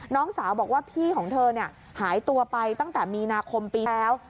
น้องสาวบอกว่าพี่ของเธอหายตัวไปตั้งแต่มีนาคมปีแล้ว